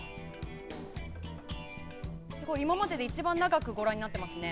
今までで一番長くご覧になってますね。